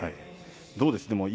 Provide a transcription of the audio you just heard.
どうです？